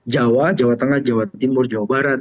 jawa jawa tengah jawa timur jawa barat